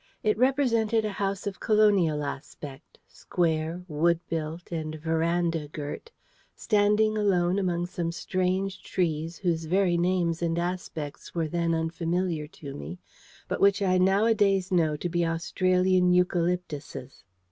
It represented a house of colonial aspect, square, wood built, and verandah girt, standing alone among strange trees whose very names and aspects were then unfamiliar to me, but which I nowadays know to be Australian eucalyptuses.